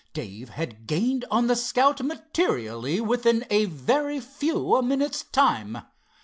Dave had gained on the Scout materially within a very few minutes' time.